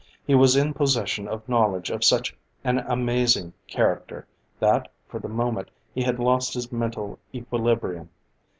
He was in possession of knowledge of such an amazing character that, for the moment he had lost his mental equilibrium.